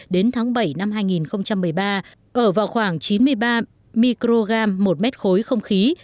đến tháng bảy năm hai nghìn một mươi ba ở vào khoảng chín mươi ba microgram một mét khối không khí